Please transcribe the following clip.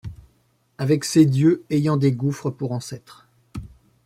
Avec ses dieux ayant des gouffres pour ancêtres